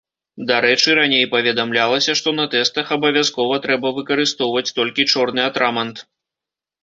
Дарэчы, раней паведамлялася, што на тэстах абавязкова трэба выкарыстоўваць толькі чорны атрамант.